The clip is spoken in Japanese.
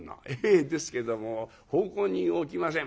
「ええですけども奉公人を置きません。